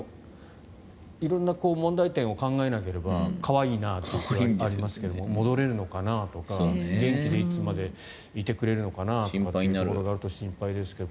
色んな問題点を考えなければ可愛いなっていうのがありますけど戻れるのかなとか元気でいつまでいてくれるのかなというところが心配ですけど。